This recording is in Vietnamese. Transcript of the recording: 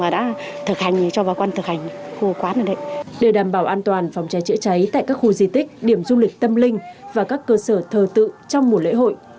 để đảm bảo an toàn phòng cháy chữa cháy tại các khu di tích điểm du lịch tâm linh và các cơ sở thờ tự trong mùa lễ hội